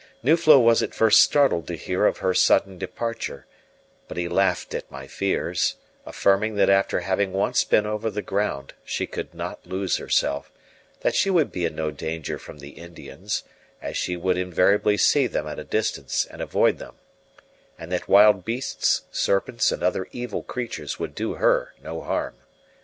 Nuflo was at first startled to hear of her sudden departure; but he laughed at my fears, affirming that after having once been over the ground she could not lose herself; that she would be in no danger from the Indians, as she would invariably see them at a distance and avoid them, and that wild beasts, serpents, and other evil creatures would do her no harm.